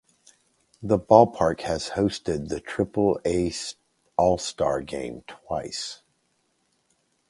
The ballpark has hosted the Triple-A All-Star Game twice.